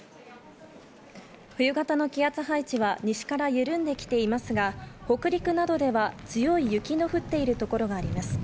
冬型の気圧配置は西から緩んできていますが、北陸などでは強い雪の降っているところがあります。